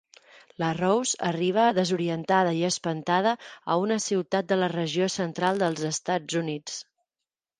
La Rose arriba desorientada i espantada a una ciutat de la regió central dels Estats Units.